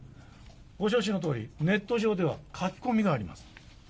ご承知のとおり、ネット上では書き込みがあります。